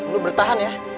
lu bertahan ya